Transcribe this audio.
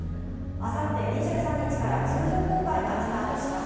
あさって２３日から通常国会がスタートします。